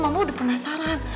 mama udah penasaran